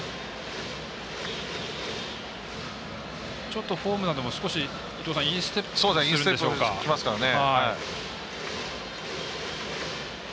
ちょっとフォームなども少しインステップできますね。